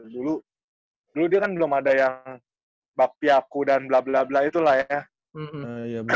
dulu dia kan belum ada yang bakpiaku dan blablabla itulah ya